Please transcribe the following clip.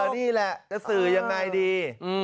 นี่แหละจะสื่อยังไงดี